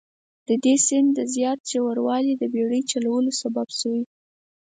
د دې سیند زیات ژوروالی د بیړۍ چلولو سبب شوي.